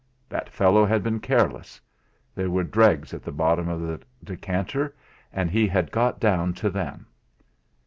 That fellow had been careless; there were dregs at the bottom of the decanter and he had got down to them!